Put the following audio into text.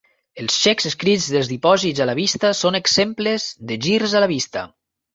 Els xecs escrits dels dipòsits a la vista són exemples de girs a la vista.